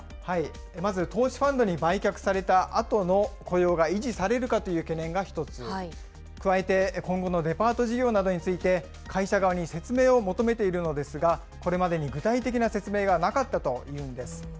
まず、投資ファンドに売却されたあとの雇用が維持されるかという懸念が１つ、加えて今後のデパート事業などについて、会社側に説明を求めているのですが、これまでに具体的な説明がなかったというんです。